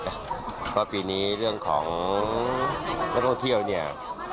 เพราะปีนี้เรื่องของนักท่องเที่ยวเนี่ย